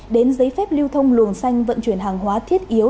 đến giấy phép lưu thông luồng xanh vận chuyển hàng hóa thiết yếu